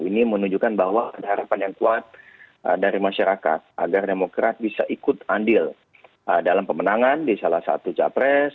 ini menunjukkan bahwa ada harapan yang kuat dari masyarakat agar demokrat bisa ikut andil dalam pemenangan di salah satu capres